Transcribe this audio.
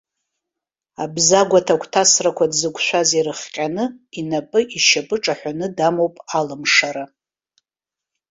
Абзагә аҭагәҭасрақәа дзықәшәаз ирыхҟьаны, инапы, ишьапы ҿаҳәаны дамоуп алымшара.